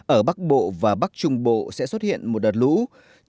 ở bắc bộ và bắc trung bộ sẽ xuất hiện một đợt lũ quét trên các sông